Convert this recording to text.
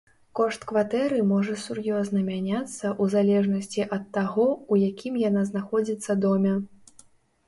Кошт кватэры можа сур'ёзна мяняцца ў залежнасці ад таго, у якім яна знаходзіцца доме.